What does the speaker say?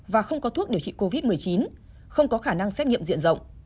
và không có thuốc điều trị covid một mươi chín không có khả năng xét nghiệm diện rộng